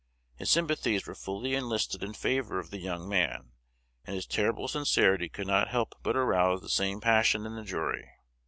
His sympathies were fully enlisted in favor of the young man, and his terrible sincerity could not help but arouse the same passion in the jury.